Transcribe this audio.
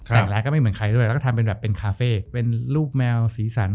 แต่งร้ายก็ไม่เหมือนใครด้วยแล้วก็ทำเป็นแบบเป็นคาเฟ่เป็นลูกแมวสีสัน